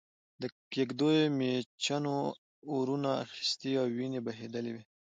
د کېږدیو مېچنو اورونه اخستي او وينې بهېدلې وې.